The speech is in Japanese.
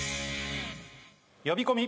「呼び込み」